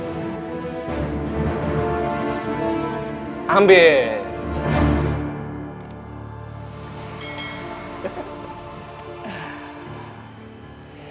dia ini cuma pengawal siluman ular